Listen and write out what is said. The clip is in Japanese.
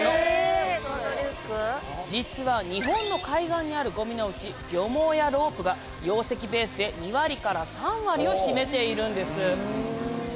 実は日本の海岸にあるごみのうち漁網やロープが容積ベースで２割から３割を占めているんです！